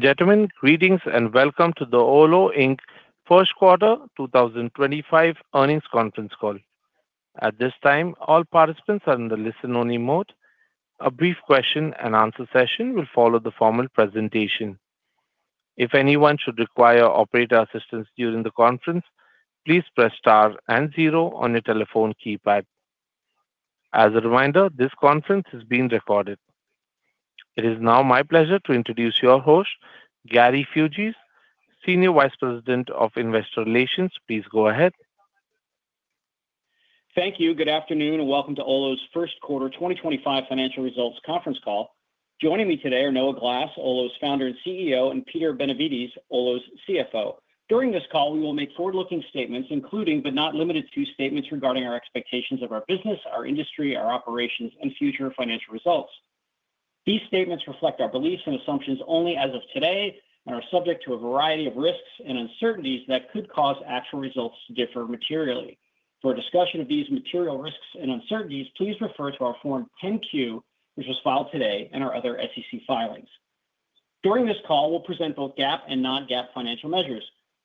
Gentlemen, greetings and welcome to the Olo Inc First Quarter 2025 Earnings Conference Call. At this time, all participants are in the listen-only mode. A brief question-and-answer session will follow the formal presentation. If anyone should require operator assistance during the conference, please press star and zero on your telephone keypad. As a reminder, this conference is being recorded. It is now my pleasure to introduce your host, Gary Fuges, Senior Vice President of Investor Relations. Please go ahead. Thank you. Good afternoon and welcome to Olo's First Quarter 2025 Financial Results Conference Call. Joining me today are Noah Glass, Olo's Founder and CEO, and Peter Benevides, Olo's CFO. During this call, we will make forward-looking statements, including but not limited to statements regarding our expectations of our business, our industry, our operations, and future financial results. These statements reflect our beliefs and assumptions only as of today and are subject to a variety of risks and uncertainties that could cause actual results to differ materially. For a discussion of these material risks and uncertainties, please refer to our Form 10-Q, which was filed today, and our other SEC filings. During this call, we'll present both GAAP and non-GAAP financial measures.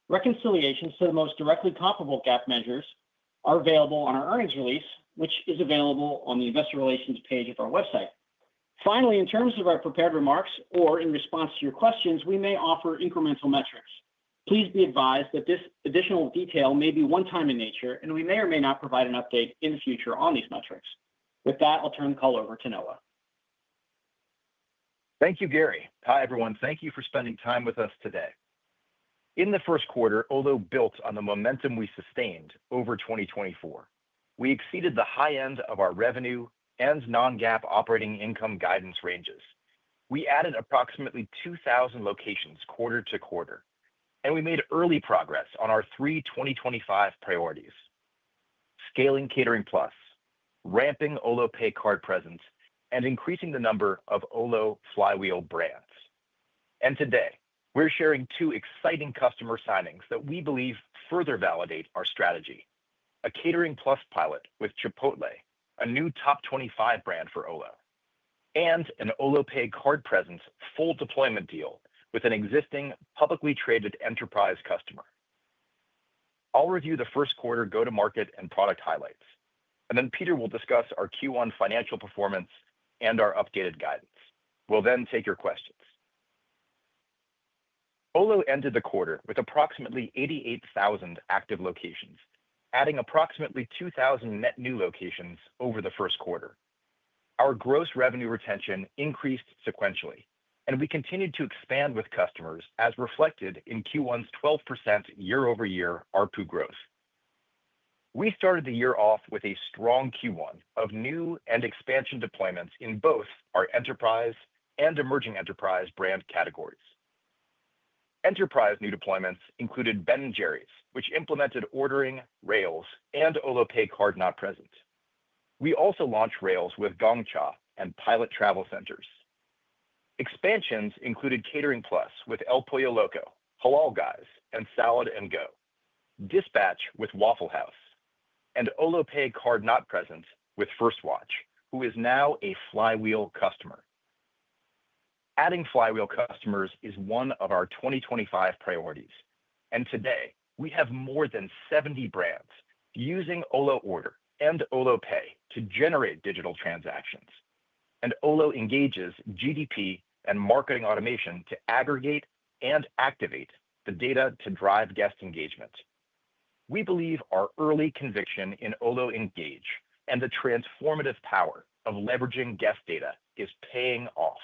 Reconciliations to the most directly comparable GAAP measures are available on our earnings release, which is available on the Investor Relations page of our website. Finally, in terms of our prepared remarks or in response to your questions, we may offer incremental metrics. Please be advised that this additional detail may be one-time in nature, and we may or may not provide an update in the future on these metrics. With that, I'll turn the call over to Noah. Thank you, Gary. Hi, everyone. Thank you for spending time with us today. In the first quarter, Olo built on the momentum we sustained over 2024, we exceeded the high end of our revenue and non-GAAP operating income guidance ranges. We added approximately 2,000 locations quarter to quarter, and we made early progress on our three 2025 priorities: scaling Catering Plus, ramping Olo Pay card presence, and increasing the number of Olo Flywheel brands. Today, we're sharing two exciting customer signings that we believe further validate our strategy: a Catering Plus pilot with Chipotle, a new top 25 brand for Olo, and an Olo Pay card presence full deployment deal with an existing publicly traded enterprise customer. I'll review the first quarter go-to-market and product highlights, and then Peter will discuss our Q1 financial performance and our updated guidance. We'll then take your questions. Olo ended the quarter with approximately 88,000 active locations, adding approximately 2,000 net new locations over the first quarter. Our gross revenue retention increased sequentially, and we continued to expand with customers, as reflected in Q1's 12% year-over-year ARPU growth. We started the year off with a strong Q1 of new and expansion deployments in both our enterprise and emerging enterprise brand categories. Enterprise new deployments included Ben & Jerry's, which implemented ordering, rails, and Olo Pay card not present. We also launched rails with Gong Cha and Pilot Travel Centers. Expansions included Catering Plus with El Pollo Loco, Halal Guys, and Salad and Go, Dispatch with Waffle House, and Olo Pay card not present with First Watch, who is now a Flywheel customer. Adding Flywheel customers is one of our 2025 priorities, and today we have more than 70 brands using Olo Order and Olo Pay to generate digital transactions, and Olo Engage's GDP and marketing automation to aggregate and activate the data to drive guest engagement. We believe our early conviction in Olo Engage and the transformative power of leveraging guest data is paying off.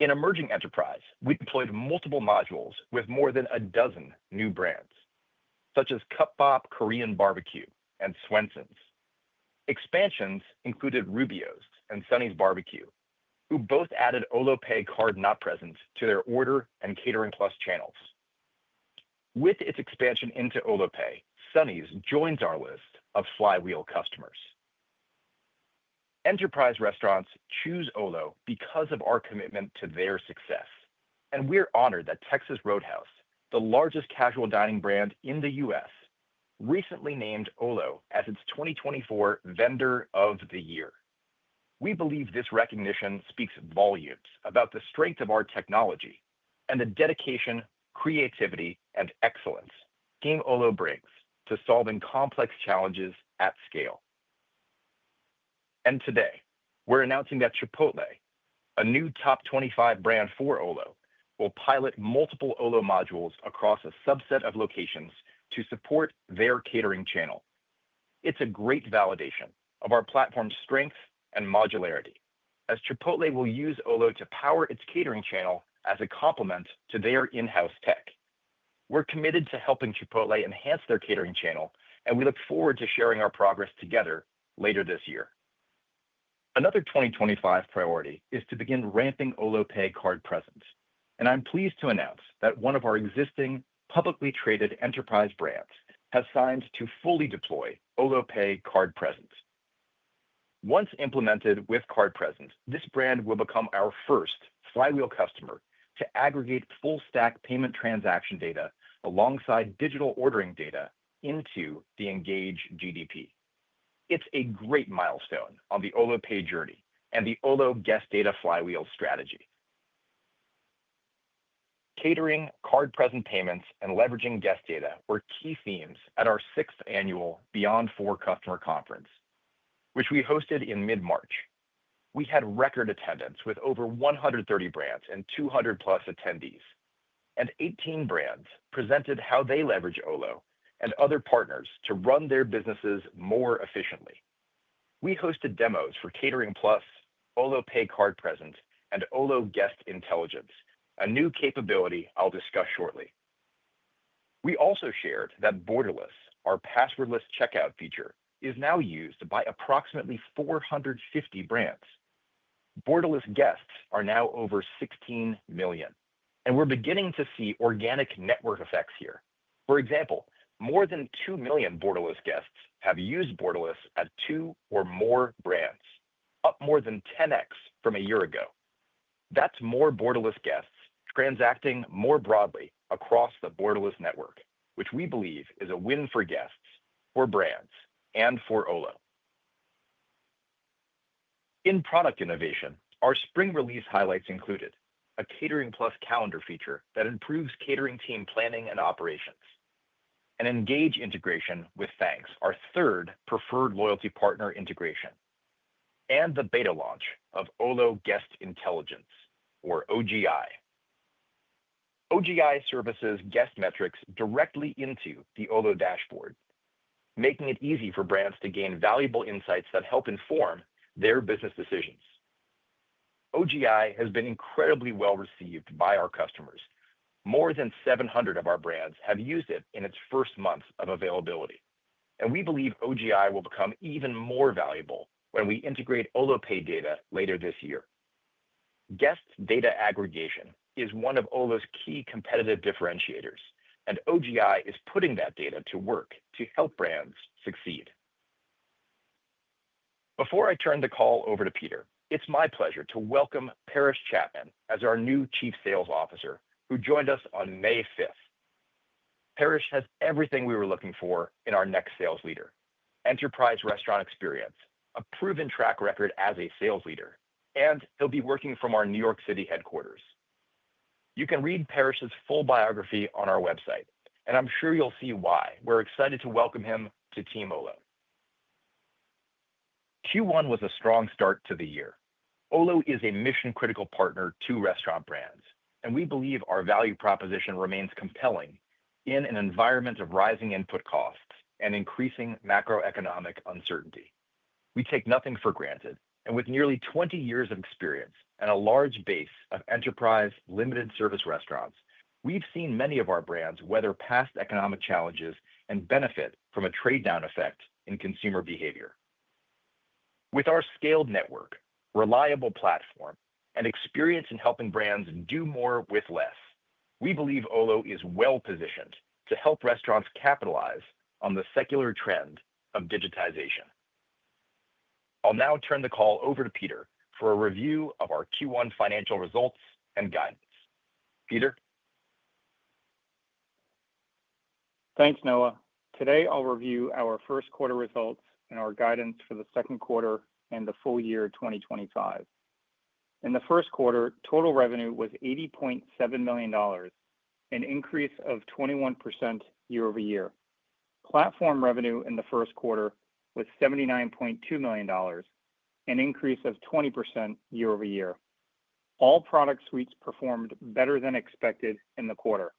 In emerging enterprise, we deployed multiple modules with more than a dozen new brands, such as Cupbop Korean BBQ, and Swensons. Expansions included Rubio's and Sonny's BBQ, who both added Olo Pay card not present to their Order and Catering Plus channels. With its expansion into Olo Pay, Sonny's joins our list of Flywheel customers. Enterprise restaurants choose Olo because of our commitment to their success, and we're honored that Texas Roadhouse, the largest casual dining brand in the U.S., recently named Olo as its 2024 Vendor of the Year. We believe this recognition speaks volumes about the strength of our technology and the dedication, creativity, and excellence Team Olo brings to solving complex challenges at scale. Today, we're announcing that Chipotle, a new top 25 brand for Olo, will pilot multiple Olo modules across a subset of locations to support their catering channel. It's a great validation of our platform's strength and modularity, as Chipotle will use Olo to power its catering channel as a complement to their in-house tech. We're committed to helping Chipotle enhance their catering channel, and we look forward to sharing our progress together later this year. Another 2025 priority is to begin ramping Olo Pay card presence, and I'm pleased to announce that one of our existing publicly traded enterprise brands has signed to fully deploy Olo Pay card presence. Once implemented with card presence, this brand will become our first Flywheel customer to aggregate full-stack payment transaction data alongside digital ordering data into the Engage GDP. It's a great milestone on the Olo Pay journey and the Olo Guest Data Flywheel strategy. Catering, card-present payments, and leveraging guest data were key themes at our sixth annual Beyond Four Customer Conference, which we hosted in mid-March. We had record attendance with over 130 brands and 200-plus attendees, and 18 brands presented how they leverage Olo and other partners to run their businesses more efficiently. We hosted demos for Catering Plus, Olo Pay card presence, and Olo Guest Intelligence, a new capability I'll discuss shortly. We also shared that Borderless, our passwordless checkout feature, is now used by approximately 450 brands. Borderless guests are now over 16 million, and we're beginning to see organic network effects here. For example, more than 2 million Borderless guests have used Borderless at two or more brands, up more than 10x from a year ago. That's more Borderless guests transacting more broadly across the Borderless network, which we believe is a win for guests, for brands, and for Olo. In product innovation, our spring release highlights included a Catering Plus calendar feature that improves catering team planning and operations, an Engage integration with Thanx, our third preferred loyalty partner integration, and the beta launch of Olo Guest Intelligence, or OGI. OGI services guest metrics directly into the Olo dashboard, making it easy for brands to gain valuable insights that help inform their business decisions. OGI has been incredibly well received by our customers. More than 700 of our brands have used it in its first months of availability, and we believe OGI will become even more valuable when we integrate Olo Pay data later this year. Guest data aggregation is one of Olo's key competitive differentiators, and OGI is putting that data to work to help brands succeed. Before I turn the call over to Peter, it's my pleasure to welcome Parrish Chapman as our new Chief Sales Officer, who joined us on May 5. Parrish has everything we were looking for in our next sales leader: enterprise restaurant experience, a proven track record as a sales leader, and he'll be working from our New York City headquarters. You can read Parrish's full biography on our website, and I'm sure you'll see why we're excited to welcome him to Team Olo. Q1 was a strong start to the year. Olo is a mission-critical partner to restaurant brands, and we believe our value proposition remains compelling in an environment of rising input costs and increasing macroeconomic uncertainty. We take nothing for granted, and with nearly 20 years of experience and a large base of enterprise limited service restaurants, we've seen many of our brands weather past economic challenges and benefit from a trade-down effect in consumer behavior. With our scaled network, reliable platform, and experience in helping brands do more with less, we believe Olo is well positioned to help restaurants capitalize on the secular trend of digitization. I'll now turn the call over to Peter for a review of our Q1 financial results and guidance. Peter. Thanks, Noah. Today, I'll review our first quarter results and our guidance for the second quarter and the full year 2025. In the first quarter, total revenue was $80.7 million, an increase of 21% year-over-year. Platform revenue in the first quarter was $79.2 million, an increase of 20% year-over-year. All product suites performed better than expected in the quarter.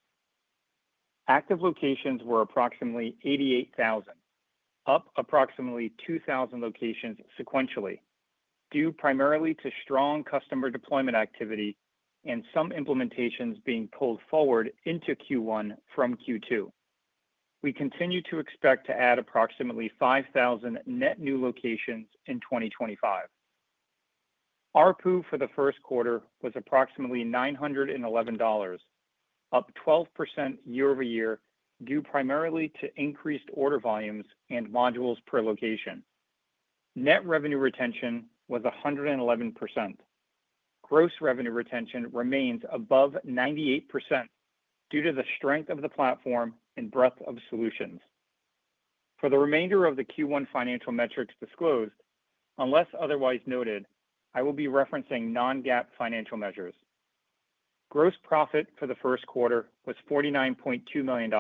Active locations were approximately 88,000, up approximately 2,000 locations sequentially, due primarily to strong customer deployment activity and some implementations being pulled forward into Q1 from Q2. We continue to expect to add approximately 5,000 net new locations in 2025. ARPU for the first quarter was approximately $911, up 12% year-over-year, due primarily to increased order volumes and modules per location. Net revenue retention was 111%. Gross revenue retention remains above 98% due to the strength of the platform and breadth of solutions. For the remainder of the Q1 financial metrics disclosed, unless otherwise noted, I will be referencing non-GAAP financial measures. Gross profit for the first quarter was $49.2 million,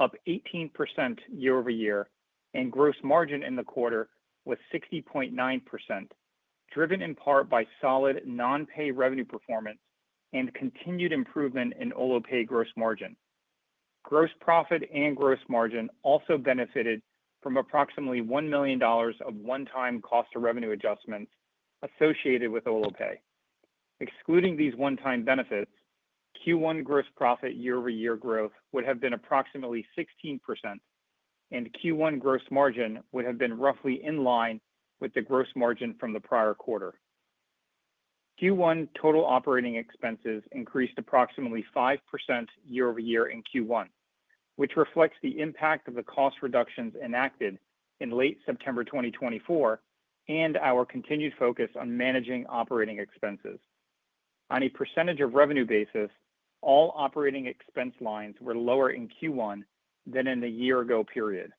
up 18% year-over-year, and gross margin in the quarter was 60.9%, driven in part by solid non-Pay revenue performance and continued improvement in Olo Pay gross margin. Gross profit and gross margin also benefited from approximately $1 million of one-time cost of revenue adjustments associated with Olo Pay. Excluding these one-time benefits, Q1 gross profit year-over-year growth would have been approximately 16%, and Q1 gross margin would have been roughly in line with the gross margin from the prior quarter. Q1 total operating expenses increased approximately 5% year-over-year in Q1, which reflects the impact of the cost reductions enacted in late September 2024 and our continued focus on managing operating expenses. On a percentage of revenue basis, all operating expense lines were lower in Q1 than in the year-ago period.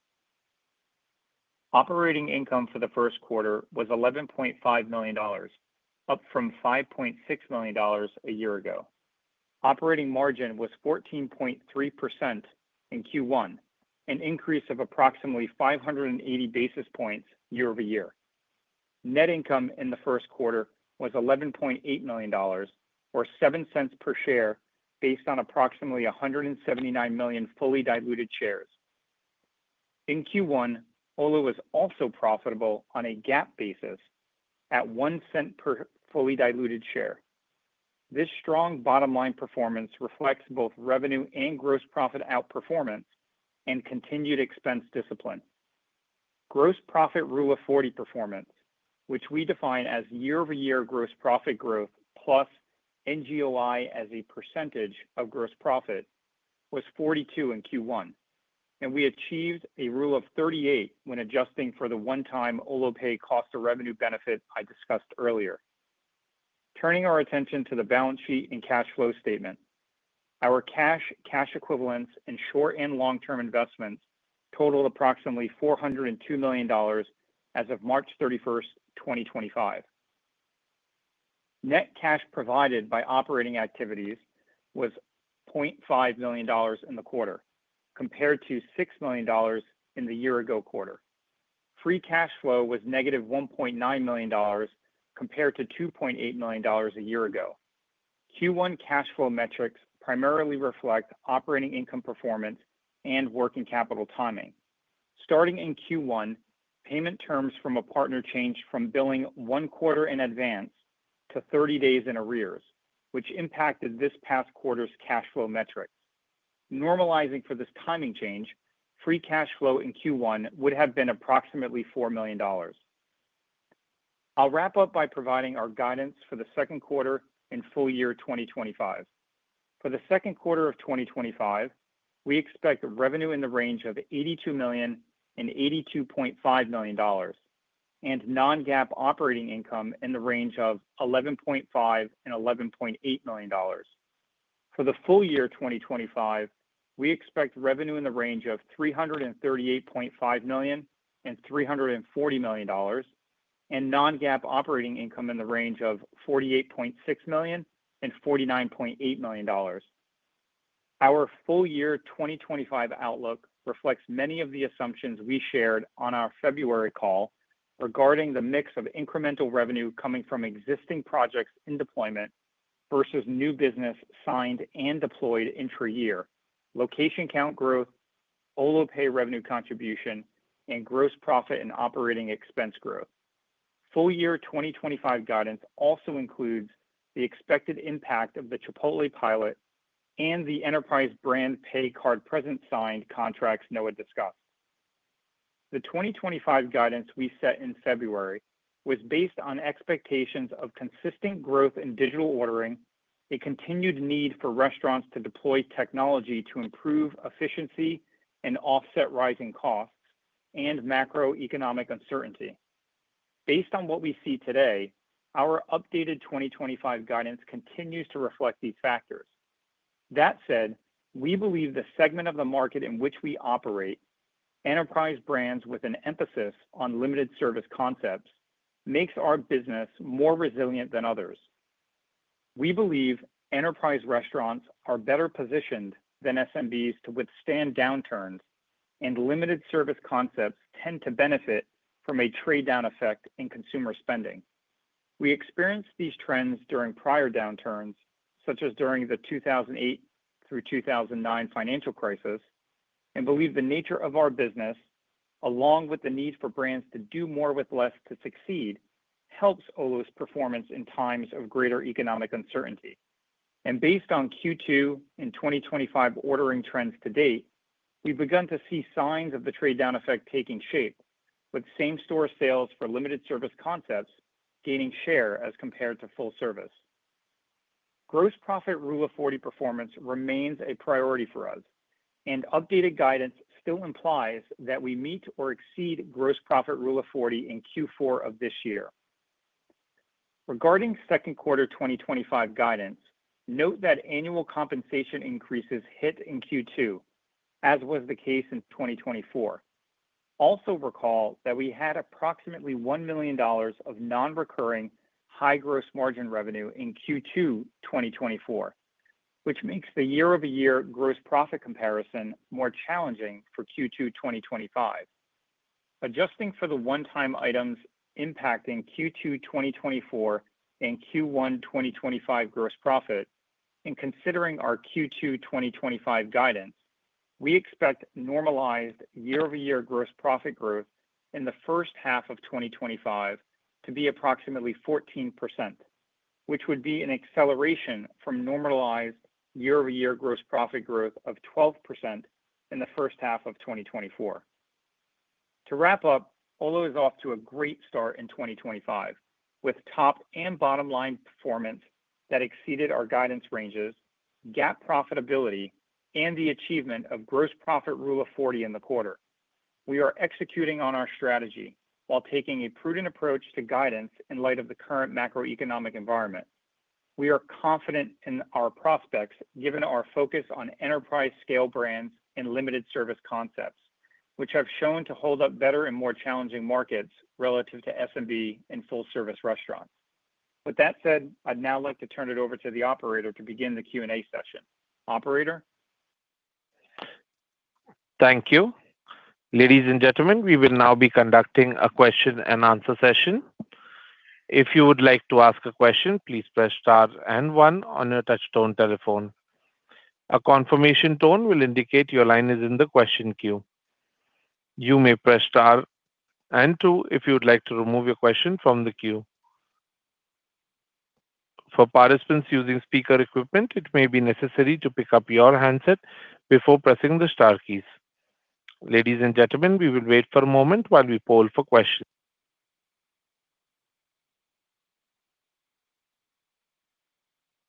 Operating income for the first quarter was $11.5 million, up from $5.6 million a year ago. Operating margin was 14.3% in Q1, an increase of approximately 580 basis points year-over-year. Net income in the first quarter was $11.8 million, or $0.07 per share, based on approximately 179 million fully diluted shares. In Q1, Olo was also profitable on a GAAP basis at $0.01 per fully diluted share. This strong bottom-line performance reflects both revenue and gross profit outperformance and continued expense discipline. Gross Profit Rule of 40 performance, which we define as year-over-year gross profit growth plus NGOI as a percentage of gross profit, was 42 in Q1, and we achieved a Rule of 38 when adjusting for the one-time Olo Pay cost of revenue benefit I discussed earlier. Turning our attention to the balance sheet and cash flow statement, our cash, cash equivalents, and short and long-term investments totaled approximately $402 million as of March 31, 2025. Net cash provided by operating activities was $0.5 million in the quarter, compared to $6 million in the year-ago quarter. Free cash flow was negative $1.9 million compared to $2.8 million a year ago. Q1 cash flow metrics primarily reflect operating income performance and working capital timing. Starting in Q1, payment terms from a partner changed from billing one quarter in advance to 30 days in arrears, which impacted this past quarter's cash flow metrics. Normalizing for this timing change, free cash flow in Q1 would have been approximately $4 million. I'll wrap up by providing our guidance for the second quarter and full year 2025. For the second quarter of 2025, we expect revenue in the range of $82 million-$82.5 million, and non-GAAP operating income in the range of $11.5 million-$11.8 million. For the full year 2025, we expect revenue in the range of $338.5 million-$340 million, and non-GAAP operating income in the range of $48.6 million-$49.8 million. Our full year 2025 outlook reflects many of the assumptions we shared on our February call regarding the mix of incremental revenue coming from existing projects in deployment versus new business signed and deployed intra-year, location count growth, Olo Pay revenue contribution, and gross profit and operating expense growth. Full year 2025 guidance also includes the expected impact of the Chipotle pilot and the enterprise brand pay card present signed contracts Noah discussed. The 2025 guidance we set in February was based on expectations of consistent growth in digital ordering, a continued need for restaurants to deploy technology to improve efficiency and offset rising costs, and macroeconomic uncertainty. Based on what we see today, our updated 2025 guidance continues to reflect these factors. That said, we believe the segment of the market in which we operate, enterprise brands with an emphasis on limited service concepts, makes our business more resilient than others. We believe enterprise restaurants are better positioned than SMBs to withstand downturns, and limited service concepts tend to benefit from a trade-down effect in consumer spending. We experienced these trends during prior downturns, such as during the 2008 through 2009 financial crisis, and believe the nature of our business, along with the need for brands to do more with less to succeed, helps Olo's performance in times of greater economic uncertainty. Based on Q2 and 2025 ordering trends to date, we've begun to see signs of the trade-down effect taking shape, with same-store sales for limited service concepts gaining share as compared to full service. Gross profit rule of 40 performance remains a priority for us, and updated guidance still implies that we meet or exceed gross profit rule of 40 in Q4 of this year. Regarding second quarter 2025 guidance, note that annual compensation increases hit in Q2, as was the case in 2024. Also recall that we had approximately $1 million of non-recurring high gross margin revenue in Q2 2024, which makes the year-over-year gross profit comparison more challenging for Q2 2025. Adjusting for the one-time items impacting Q2 2024 and Q1 2025 gross profit, and considering our Q2 2025 guidance, we expect normalized year-over-year gross profit growth in the first half of 2025 to be approximately 14%, which would be an acceleration from normalized year-over-year gross profit growth of 12% in the first half of 2024. To wrap up, Olo is off to a great start in 2025, with top and bottom-line performance that exceeded our guidance ranges, GAAP profitability, and the achievement of gross profit rule of 40 in the quarter. We are executing on our strategy while taking a prudent approach to guidance in light of the current macroeconomic environment. We are confident in our prospects given our focus on enterprise-scale brands and limited service concepts, which have shown to hold up better in more challenging markets relative to SMB and full-service restaurants. With that said, I'd now like to turn it over to the operator to begin the Q&A session. Operator. Thank you. Ladies and gentlemen, we will now be conducting a question-and-answer session. If you would like to ask a question, please press star and one on your touchstone telephone. A confirmation tone will indicate your line is in the question queue. You may press star and two if you would like to remove your question from the queue. For participants using speaker equipment, it may be necessary to pick up your handset before pressing the star keys. Ladies and gentlemen, we will wait for a moment while we poll for questions.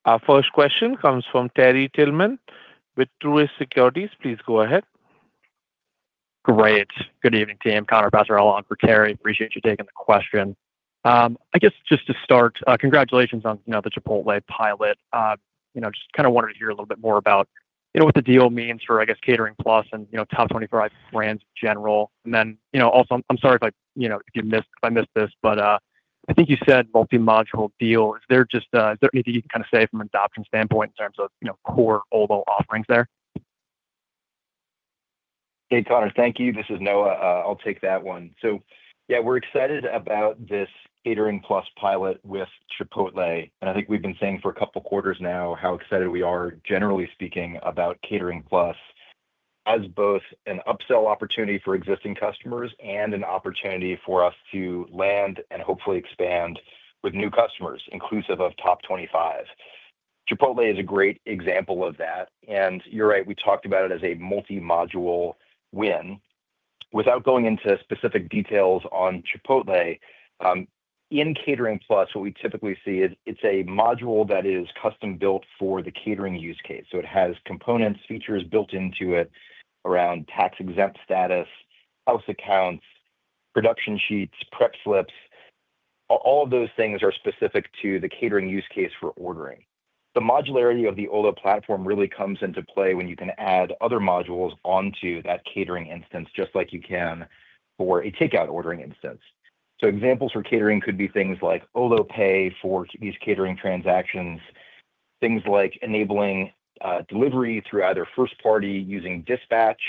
Our first question comes from Terry Tillman with Truist Securities. Please go ahead. Great. Good evening, Tim. Connor Basser, along for Terry. Appreciate you taking the question. I guess just to start, congratulations on the Chipotle pilot. Just kind of wanted to hear a little bit more about what the deal means for, I guess, Catering Plus and top 25 brands in general. Also, I'm sorry if I missed this, but I think you said multi-module deal. Is there anything you can kind of say from an adoption standpoint in terms of core Olo offerings there? Hey, Connor, thank you. This is Noah. I'll take that one. Yeah, we're excited about this Catering Plus pilot with Chipotle. I think we've been saying for a couple of quarters now how excited we are, generally speaking, about Catering Plus as both an upsell opportunity for existing customers and an opportunity for us to land and hopefully expand with new customers, inclusive of top 25. Chipotle is a great example of that. You're right, we talked about it as a multi-module win. Without going into specific details on Chipotle, in Catering Plus, what we typically see is it's a module that is custom-built for the catering use case. It has components, features built into it around tax-exempt status, house accounts, production sheets, prep slips. All of those things are specific to the catering use case for ordering. The modularity of the Olo platform really comes into play when you can add other modules onto that catering instance, just like you can for a takeout ordering instance. Examples for catering could be things like Olo Pay for these catering transactions, things like enabling delivery through either first-party using Dispatch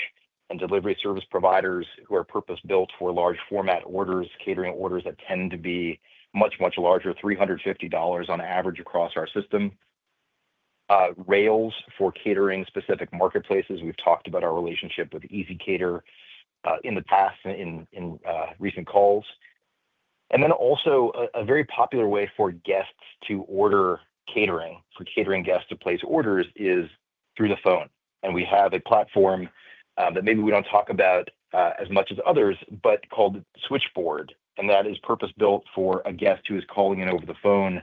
and delivery service providers who are purpose-built for large-format orders, catering orders that tend to be much, much larger, $350 on average across our system, Rails for catering-specific marketplaces. We've talked about our relationship with Easy Cater in the past in recent calls. A very popular way for guests to order catering, for catering guests to place orders, is through the phone. We have a platform that maybe we don't talk about as much as others, but called Switchboard. That is purpose-built for a guest who is calling in over the phone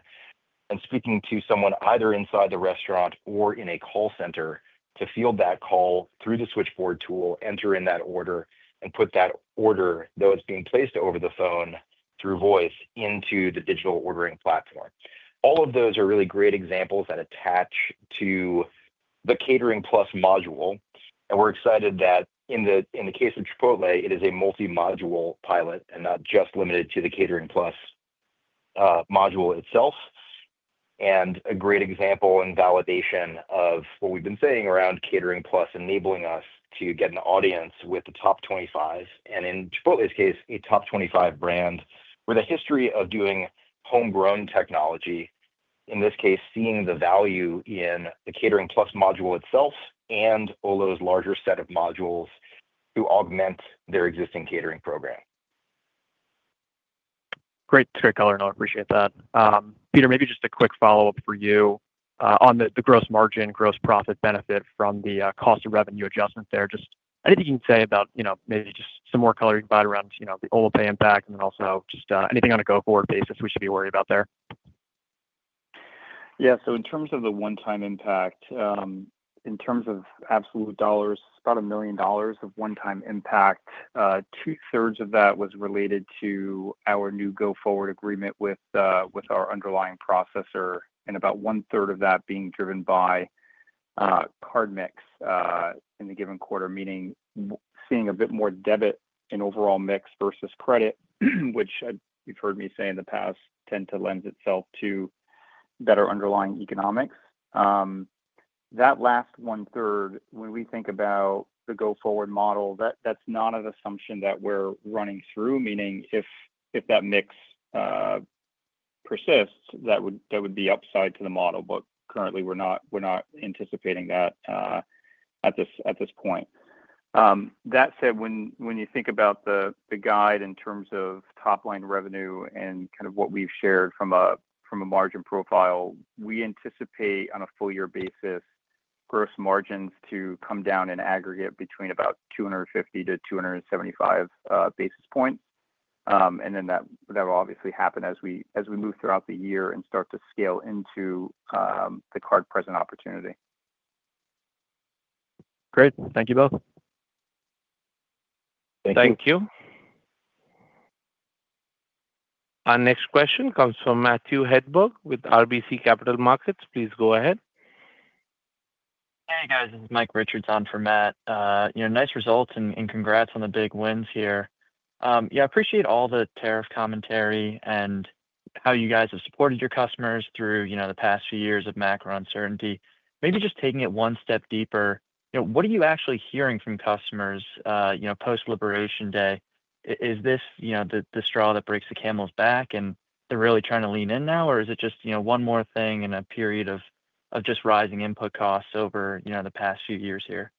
and speaking to someone either inside the restaurant or in a call center to field that call through the Switchboard tool, enter in that order, and put that order, though it's being placed over the phone through voice, into the digital ordering platform. All of those are really great examples that attach to the Catering Plus module. We're excited that in the case of Chipotle, it is a multi-module pilot and not just limited to the Catering Plus module itself. A great example and validation of what we've been saying around Catering Plus enabling us to get an audience with the top 25, and in Chipotle's case, a top 25 brand with a history of doing homegrown technology, in this case, seeing the value in the Catering Plus module itself and Olo's larger set of modules to augment their existing catering program. Great to hear, Connor. I appreciate that. Peter, maybe just a quick follow-up for you on the gross margin, gross profit benefit from the cost of revenue adjustment there. Just anything you can say about maybe just some more color you can provide around the Olo Pay impact and then also just anything on a go-forward basis we should be worried about there. Yeah. In terms of the one-time impact, in terms of absolute dollars, it's about $1 million of one-time impact. Two-thirds of that was related to our new go-forward agreement with our underlying processor, and about one-third of that being driven by card mix in the given quarter, meaning seeing a bit more debit in overall mix versus credit, which you've heard me say in the past tends to lend itself to better underlying economics. That last one-third, when we think about the go-forward model, that's not an assumption that we're running through, meaning if that mix persists, that would be upside to the model. Currently, we're not anticipating that at this point. That said, when you think about the guide in terms of top-line revenue and kind of what we've shared from a margin profile, we anticipate on a full-year basis gross margins to come down in aggregate between about 250-275 basis points. That will obviously happen as we move throughout the year and start to scale into the card present opportunity. Great. Thank you both. Thank you. Thank you. Our next question comes from Matthew Hedberg with RBC Capital Markets. Please go ahead. Hey, guys. This is Mike Richardson from Matt. Nice results and congrats on the big wins here. I appreciate all the tariff commentary and how you guys have supported your customers through the past few years of macro uncertainty. Maybe just taking it one step deeper, what are you actually hearing from customers post-Liberation Day? Is this the straw that breaks the camel's back and they're really trying to lean in now, or is it just one more thing in a period of just rising input costs over the past few years here?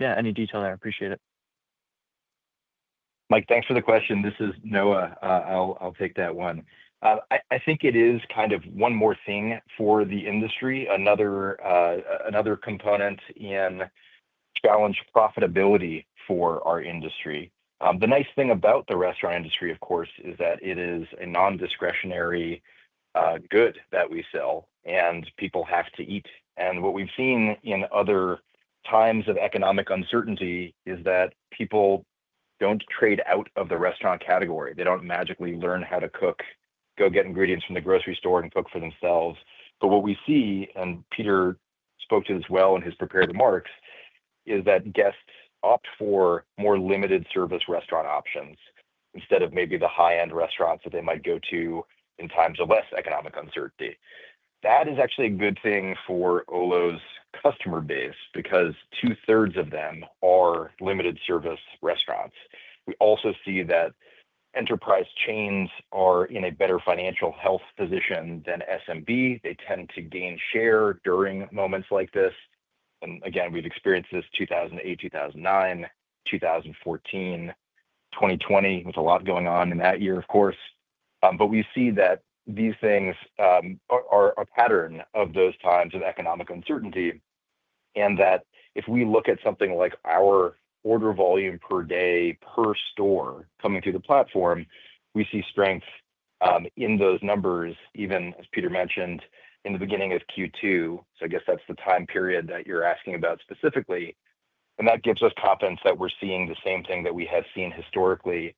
Any detail there? I appreciate it. Mike, thanks for the question. This is Noah. I'll take that one. I think it is kind of one more thing for the industry, another component in challenge profitability for our industry. The nice thing about the restaurant industry, of course, is that it is a non-discretionary good that we sell and people have to eat. What we've seen in other times of economic uncertainty is that people don't trade out of the restaurant category. They don't magically learn how to cook, go get ingredients from the grocery store, and cook for themselves. What we see, and Peter spoke to this well and has prepared the marks, is that guests opt for more limited service restaurant options instead of maybe the high-end restaurants that they might go to in times of less economic uncertainty. That is actually a good thing for Olo's customer base because two-thirds of them are limited service restaurants. We also see that enterprise chains are in a better financial health position than SMB. They tend to gain share during moments like this. We have experienced this in 2008, 2009, 2014, 2020. There was a lot going on in that year, of course. We see that these things are a pattern of those times of economic uncertainty and that if we look at something like our order volume per day per store coming through the platform, we see strength in those numbers, even as Peter mentioned, in the beginning of Q2. I guess that's the time period that you're asking about specifically. That gives us confidence that we're seeing the same thing that we have seen historically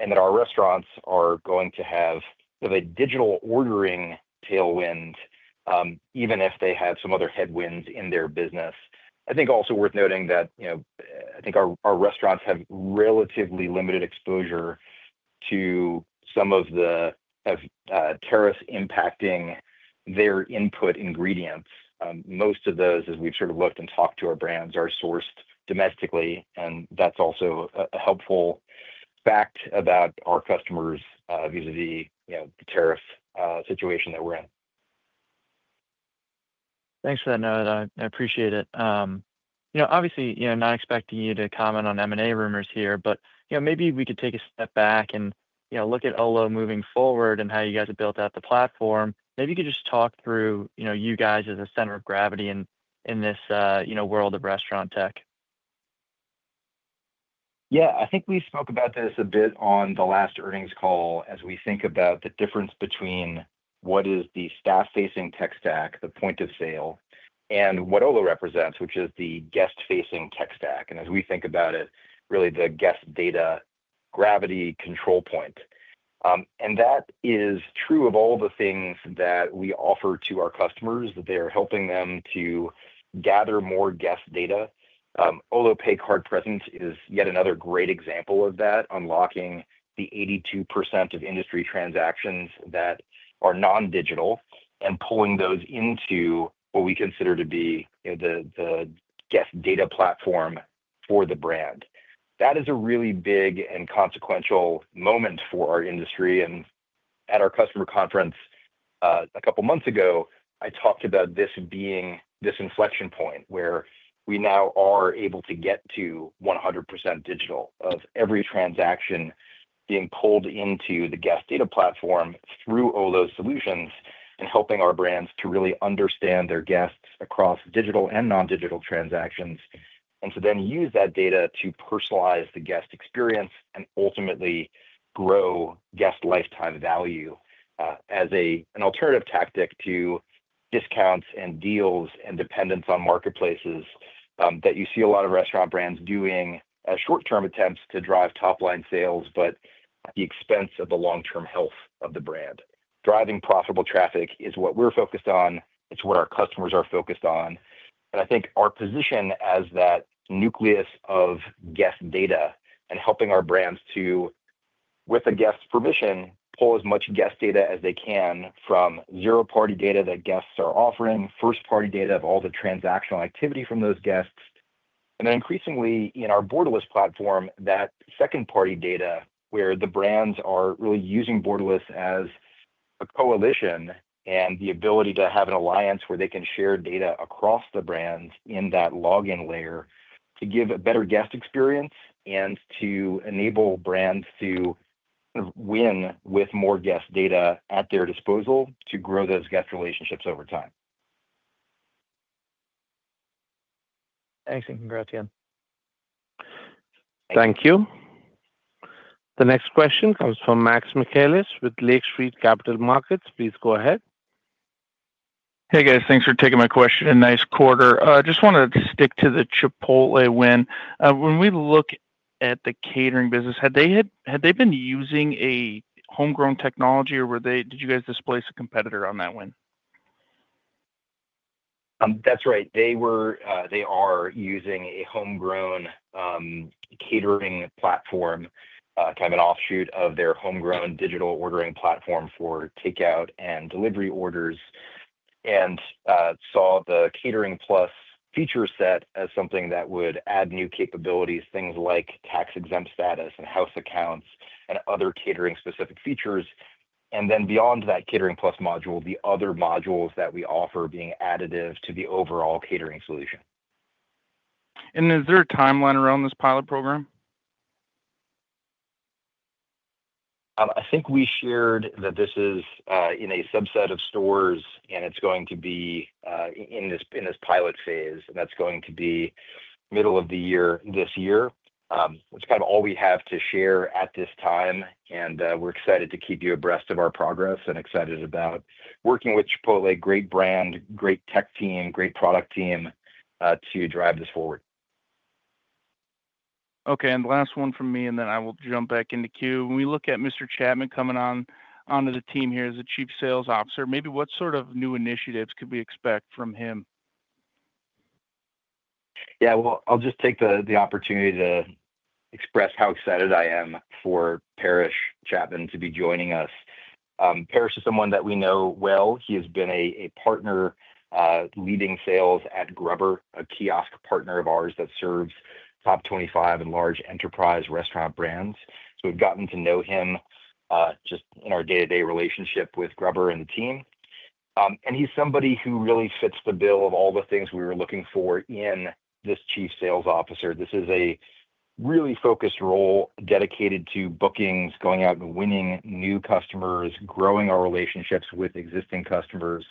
and that our restaurants are going to have a digital ordering tailwind, even if they have some other headwinds in their business. I think also worth noting that I think our restaurants have relatively limited exposure to some of the tariffs impacting their input ingredients. Most of those, as we've sort of looked and talked to our brands, are sourced domestically. That's also a helpful fact about our customers vis-à-vis the tariff situation that we're in. Thanks for that, Noah. I appreciate it. Obviously, not expecting you to comment on M&A rumors here, but maybe we could take a step back and look at Olo moving forward and how you guys have built out the platform. Maybe you could just talk through you guys as a center of gravity in this world of restaurant tech. Yeah. I think we spoke about this a bit on the last earnings call as we think about the difference between what is the staff-facing tech stack, the point of sale, and what Olo represents, which is the guest-facing tech stack. As we think about it, really the guest data gravity control point. That is true of all the things that we offer to our customers, that they are helping them to gather more guest data. Olo Pay card presence is yet another great example of that, unlocking the 82% of industry transactions that are non-digital and pulling those into what we consider to be the guest data platform for the brand. That is a really big and consequential moment for our industry. At our customer conference a couple of months ago, I talked about this being this inflection point where we now are able to get to 100% digital of every transaction being pulled into the guest data platform through Olo's solutions and helping our brands to really understand their guests across digital and non-digital transactions. To then use that data to personalize the guest experience and ultimately grow guest lifetime value as an alternative tactic to discounts and deals and dependence on marketplaces that you see a lot of restaurant brands doing as short-term attempts to drive top-line sales but at the expense of the long-term health of the brand. Driving profitable traffic is what we're focused on. It's what our customers are focused on. I think our position as that nucleus of guest data and helping our brands to, with a guest's permission, pull as much guest data as they can from zero-party data that guests are offering, first-party data of all the transactional activity from those guests. Then increasingly, in our Borderless platform, that second-party data where the brands are really using Borderless as a coalition and the ability to have an alliance where they can share data across the brands in that login layer to give a better guest experience and to enable brands to win with more guest data at their disposal to grow those guest relationships over time. Thanks. Congrats again. Thank you. The next question comes from Max Michaelis with Lake Street Capital Markets. Please go ahead. Hey, guys. Thanks for taking my question. Nice quarter. Just want to stick to the Chipotle win. When we look at the catering business, had they been using a homegrown technology or did you guys displace a competitor on that win? That's right. They are using a homegrown catering platform, kind of an offshoot of their homegrown digital ordering platform for takeout and delivery orders, and saw the Catering Plus feature set as something that would add new capabilities, things like tax-exempt status and house accounts and other catering-specific features. Beyond that Catering Plus module, the other modules that we offer being additive to the overall catering solution. Is there a timeline around this pilot program? I think we shared that this is in a subset of stores and it is going to be in this pilot phase, and that is going to be middle of the year this year. That is kind of all we have to share at this time. We are excited to keep you abreast of our progress and excited about working with Chipotle, great brand, great tech team, great product team to drive this forward. Okay. The last one from me, and then I will jump back into queue. When we look at Mr. Chapman coming onto the team here as the Chief Sales Officer, maybe what sort of new initiatives could we expect from him? Yeah. I'll just take the opportunity to express how excited I am for Parrish Chapman to be joining us. Parrish is someone that we know well. He has been a partner, leading sales at GRUBBRR, a kiosk partner of ours that serves top 25 and large enterprise restaurant brands. We've gotten to know him just in our day-to-day relationship with GRUBBRR and the team. He's somebody who really fits the bill of all the things we were looking for in this Chief Sales Officer. This is a really focused role dedicated to bookings, going out and winning new customers, growing our relationships with existing customers.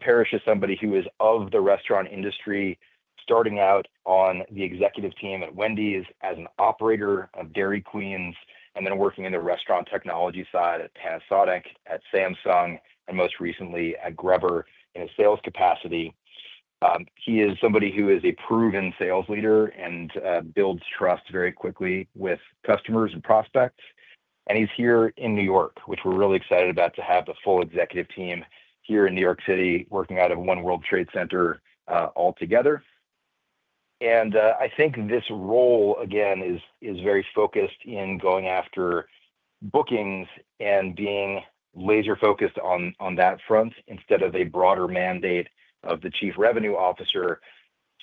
Parrish is somebody who is of the restaurant industry, starting out on the executive team at Wendy's as an operator of Dairy Queens and then working in the restaurant technology side at Panasonic, at Samsung, and most recently at GRUBBRR in a sales capacity. He is somebody who is a proven sales leader and builds trust very quickly with customers and prospects. He is here in New York, which we're really excited about to have the full executive team here in New York City working out of One World Trade Center altogether. I think this role, again, is very focused in going after bookings and being laser-focused on that front instead of a broader mandate of the Chief Revenue Officer.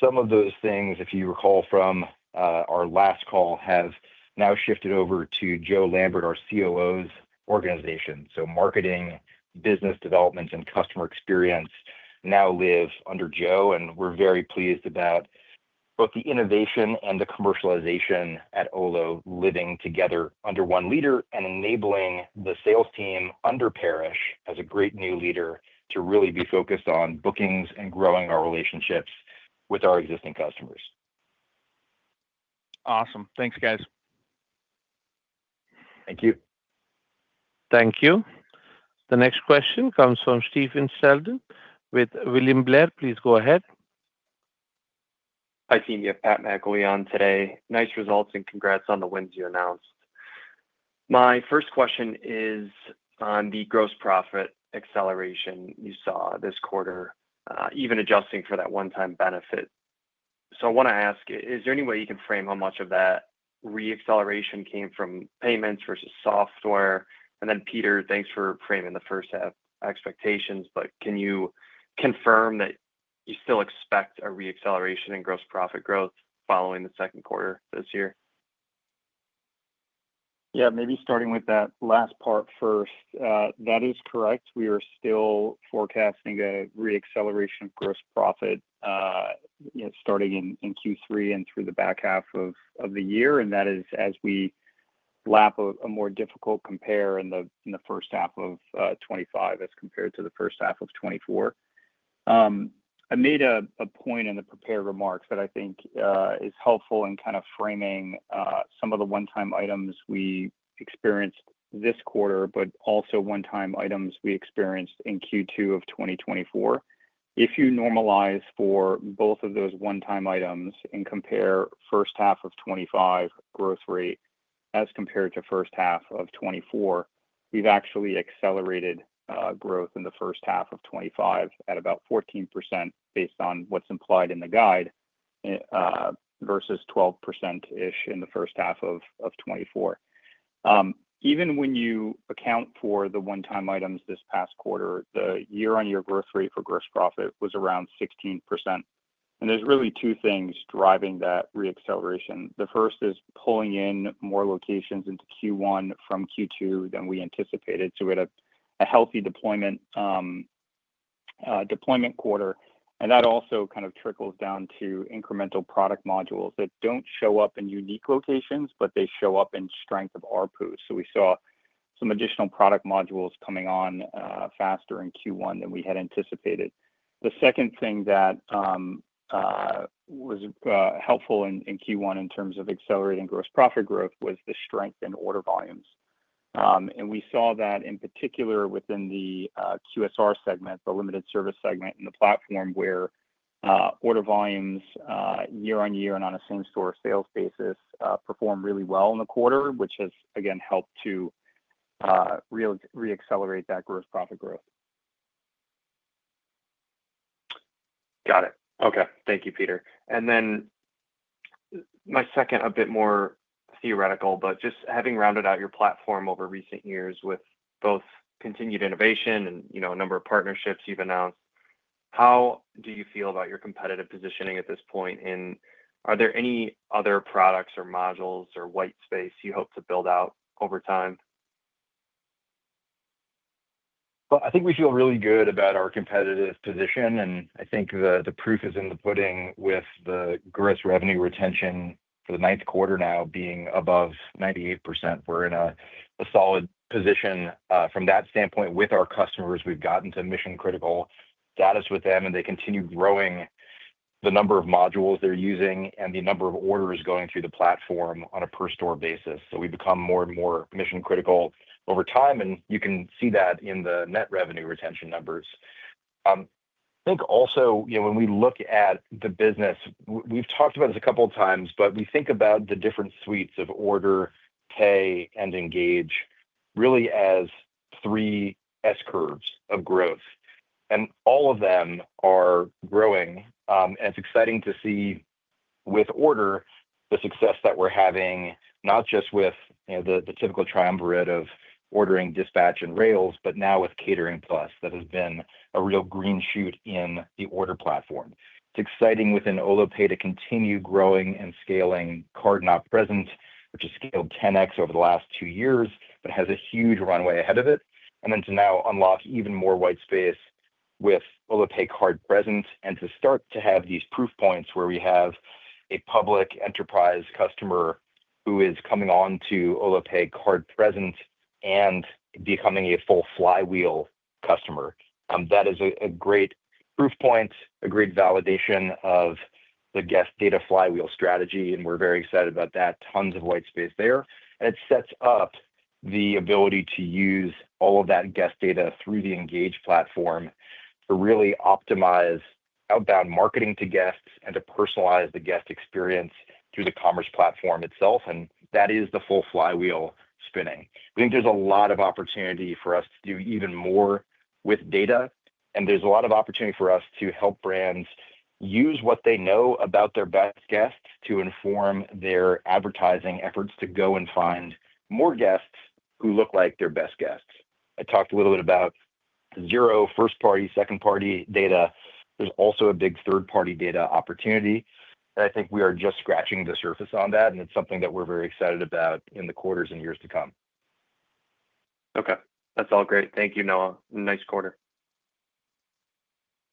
Some of those things, if you recall from our last call, have now shifted over to Joe Lambert, our COO's organization. Marketing, business development, and customer experience now live under Joe. We're very pleased about both the innovation and the commercialization at Olo living together under one leader and enabling the sales team under Parrish as a great new leader to really be focused on bookings and growing our relationships with our existing customers. Awesome. Thanks, guys. Thank you. Thank you. The next question comes from Steven Seldon with William Blair. Please go ahead. Hi, team. You have Pat McAlee on today. Nice results and congrats on the wins you announced. My first question is on the gross profit acceleration you saw this quarter, even adjusting for that one-time benefit. I want to ask, is there any way you can frame how much of that re-acceleration came from payments versus software? Peter, thanks for framing the first half expectations, but can you confirm that you still expect a re-acceleration in gross profit growth following the second quarter this year? Yeah. Maybe starting with that last part first. That is correct. We are still forecasting a re-acceleration of gross profit starting in Q3 and through the back half of the year. That is as we lap a more difficult compare in the first half of 2025 as compared to the first half of 2024. I made a point in the prepared remarks that I think is helpful in kind of framing some of the one-time items we experienced this quarter, but also one-time items we experienced in Q2 of 2024. If you normalize for both of those one-time items and compare first half of 2025 growth rate as compared to first half of 2024, we've actually accelerated growth in the first half of 2025 at about 14% based on what's implied in the guide versus 12%-ish in the first half of 2024. Even when you account for the one-time items this past quarter, the year-on-year growth rate for gross profit was around 16%. There are really two things driving that re-acceleration. The first is pulling in more locations into Q1 from Q2 than we anticipated. We had a healthy deployment quarter. That also kind of trickles down to incremental product modules that do not show up in unique locations, but they show up in strength of ARPU. We saw some additional product modules coming on faster in Q1 than we had anticipated. The second thing that was helpful in Q1 in terms of accelerating gross profit growth was the strength in order volumes. We saw that in particular within the QSR segment, the limited service segment in the platform where order volumes year-on-year and on a same-store sales basis performed really well in the quarter, which has, again, helped to re-accelerate that gross profit growth. Got it. Okay. Thank you, Peter. My second, a bit more theoretical, but just having rounded out your platform over recent years with both continued innovation and a number of partnerships you've announced, how do you feel about your competitive positioning at this point? Are there any other products or modules or white space you hope to build out over time? I think we feel really good about our competitive position. I think the proof is in the pudding with the gross revenue retention for the ninth quarter now being above 98%. We're in a solid position from that standpoint with our customers. We've gotten to mission-critical status with them, and they continue growing the number of modules they're using and the number of orders going through the platform on a per-store basis. We've become more and more mission-critical over time. You can see that in the net revenue retention numbers. I think also when we look at the business, we've talked about this a couple of times, but we think about the different suites of order, pay, and engage really as three S curves of growth. All of them are growing. It's exciting to see with order the success that we're having, not just with the typical triumvirate of ordering, dispatch, and rails, but now with Catering Plus that has been a real green shoot in the order platform. It's exciting within Olo Pay to continue growing and scaling card not present, which has scaled 10X over the last two years, but has a huge runway ahead of it. To now unlock even more white space with Olo Pay card present and to start to have these proof points where we have a public enterprise customer who is coming on to Olo Pay card present and becoming a full flywheel customer. That is a great proof point, a great validation of the guest data flywheel strategy. We are very excited about that. Tons of white space there. It sets up the ability to use all of that guest data through the Engage platform to really optimize outbound marketing to guests and to personalize the guest experience through the commerce platform itself. That is the full flywheel spinning. We think there is a lot of opportunity for us to do even more with data. There is a lot of opportunity for us to help brands use what they know about their best guests to inform their advertising efforts to go and find more guests who look like their best guests. I talked a little bit about zero, first-party, second-party data. There is also a big third-party data opportunity. I think we are just scratching the surface on that. It is something that we are very excited about in the quarters and years to come. Okay. That is all great. Thank you, Noah. Nice quarter.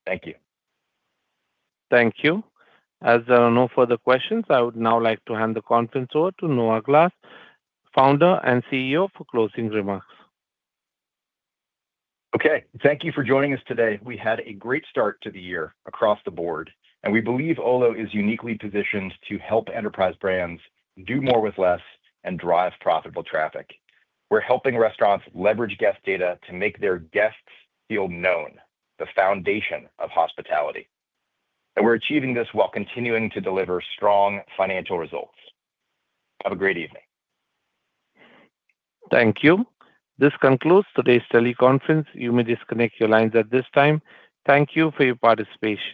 Thank you. Thank you. As there are no further questions, I would now like to hand the conference over to Noah Glass, Founder and CEO, for closing remarks. Okay. Thank you for joining us today. We had a great start to the year across the board. We believe Olo is uniquely positioned to help enterprise brands do more with less and drive profitable traffic. We're helping restaurants leverage guest data to make their guests feel known, the foundation of hospitality. We're achieving this while continuing to deliver strong financial results. Have a great evening. Thank you. This concludes today's teleconference. You may disconnect your lines at this time. Thank you for your participation.